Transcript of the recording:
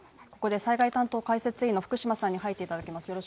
ここで災害担当解説委員の福島さんに入っていただきます